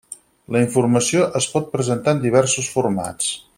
La informació es pot presentar en diversos formats.